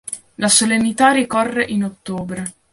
La solennità ricorre in ottobre.